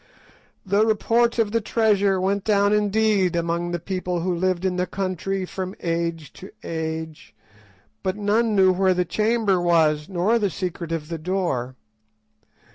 The report of the treasure went down indeed among the people who lived in the country from age to age, but none knew where the chamber was, nor the secret of the door.